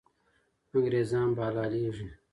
انګریزان به حلالېږي.